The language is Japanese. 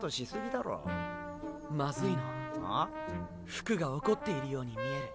フクが怒っているように見える。